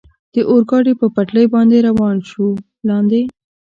د اورګاډي پر پټلۍ باندې روان شو، لاندې.